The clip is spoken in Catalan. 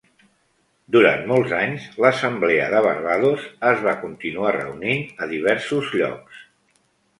Durant molts anys, l'Assemblea de Barbados es va continuar reunint a diversos llocs.